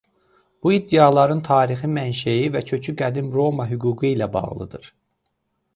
Bu iddiaların tarixi mənşəyi və kökü qədim Roma hüququ ilə bağlıdır.